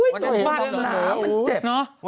วันนั้นพูดเรื่องหนามันเจ็บเนอะ